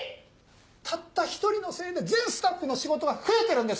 たった一人のせいで全スタッフの仕事が増えてるんです。